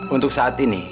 untuk saat ini